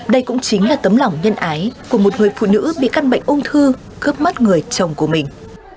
đây cũng chính là tấm lòng nhân ái của một người phụ nữ bị căn bệnh ung thư cướp mắt người chồng của mình